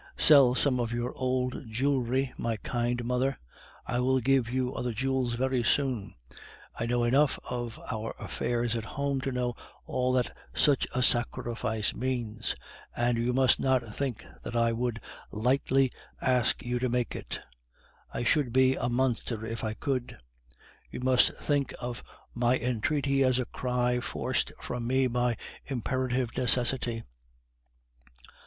Sell some of your old jewelry, my kind mother; I will give you other jewels very soon. I know enough of our affairs at home to know all that such a sacrifice means, and you must not think that I would lightly ask you to make it; I should be a monster if I could. You must think of my entreaty as a cry forced from me by imperative necessity.